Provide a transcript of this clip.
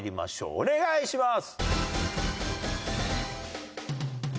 お願いします。